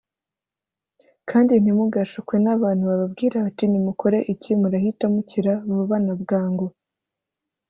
kandi ntimugashukwe n’abantu bababwira bati nimukora iki murahita mukira vuba na bwangu